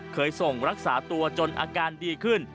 เคยส่งรักษาตัวจนอาการดีขึ้น